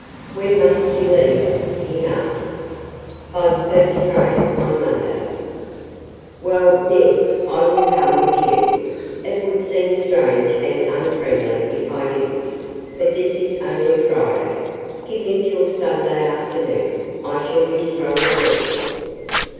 "When must you leave us?" he asked. "By the first train on Monday." "Well yes, I will come with you. It would seem strange and unfriendly if I didn't. But this is only Friday. Give me till Sunday afternoon. I shall be stronger then."